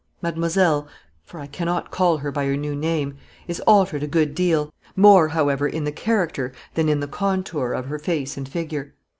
Mademoiselle (for I cannot call her by her new name) is altered a good deal more, however, in the character than in the contour of her face and figure.